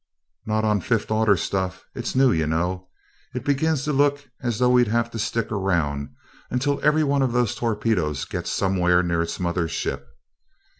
"Not on fifth order stuff it's new, you know. It begins to look as though we'd have to stick around until every one of those torpedoes gets somewhere near its mother ship.